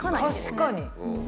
確かに！